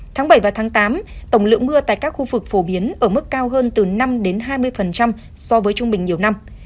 tháng bảy và tháng tám tổng lượng mưa tại các khu vực phổ biến ở mức cao hơn từ năm hai mươi so với trung bình nhiều năm